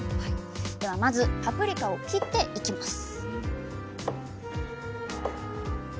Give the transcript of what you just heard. ではまずパプリカを切っていきます